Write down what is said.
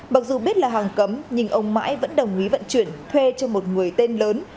bặc dù biết là hàng cấm nhưng ông mãi vẫn đồng ý vận chuyển thuê cho một người tên lớn